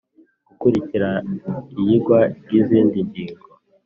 Gukurikira iyigwa ry izindi ngingo